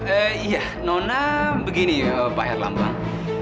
eh iya nona begini pak herlambang